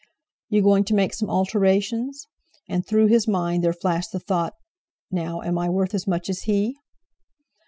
"You going to make some alterations?" And through his mind there flashed the thought: "Now, am I worth as much as he?"